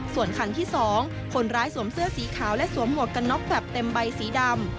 ส่วนคันที่๒คนร้ายสวมเสื้อสีขาวและสวมหมวกกันน็อกแบบเต็มใบสีดำ